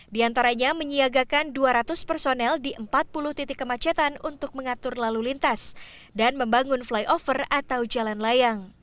di antaranya menyiagakan dua ratus personel di empat puluh titik kemacetan untuk mengatur lalu lintas dan membangun flyover atau jalan layang